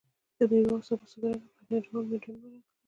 د میوو او سبو صادروونکي باید نړیوال معیارونه مراعت کړي.